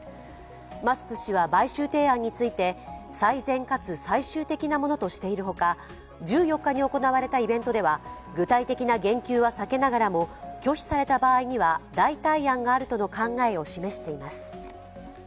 マスク氏は買収提案について最善かつ最終的なものとしているほか１４日に行われたイベントでは具体的な言及は避けながらも拒否された場合には代替案があるとの考えを示しています。